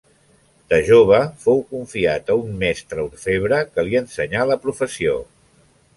De jove, fou confiat a un mestre orfebre que li ensenyà la professió.